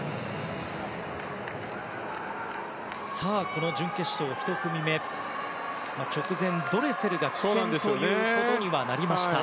この準決勝１組目直前、ドレセルが棄権ということにはなりました。